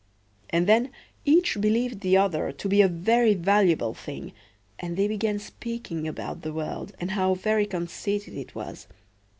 And then each believed the other to be a very valuable thing; and they began speaking about the world, and how very conceited it was.